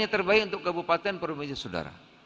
yang terbaik untuk kabupaten perumahan saudara